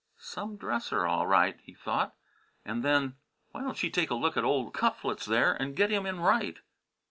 "Some dresser, all right!" he thought, and then, "Why don't she take a look at old Cufflets there, and get him in right?"